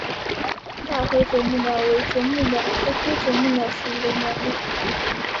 大灰啄木鸟为啄木鸟科灰啄木鸟属的鸟类。